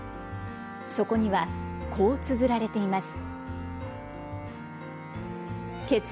そこには、こうつづられています。